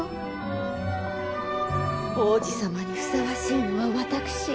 王子さまにふさわしいのは私。